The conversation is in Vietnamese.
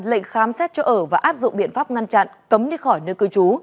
lệnh khám xét cho ở và áp dụng biện pháp ngăn chặn cấm đi khỏi nơi cư trú